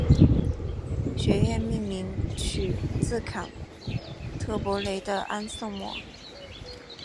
学院命名取自坎特伯雷的安瑟莫。